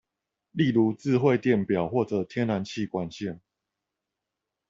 例如智慧電錶或者天然氣管線